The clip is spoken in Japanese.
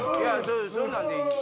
そんなんでいいんです。